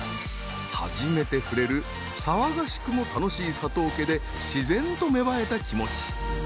初めて触れる騒がしくも楽しい佐藤家で自然と芽生えた気持ち。